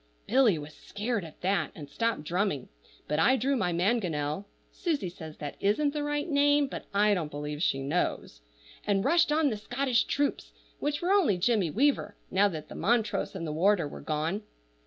Billy was scared at that and stopped drumming, but I drew my mangonel (Susie says that isn't the right name, but I don't believe she knows) and rushed on the Scottish troops, which were only Jimmy Weaver, now that Montrose and the warder were gone.